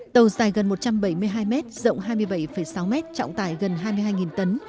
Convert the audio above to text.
tàu dài gần một trăm bảy mươi hai m rộng hai mươi bảy sáu mét trọng tải gần hai mươi hai tấn